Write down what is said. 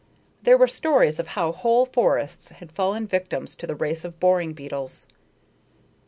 There were stories of how whole forests had fallen victims to the race of boring beetles.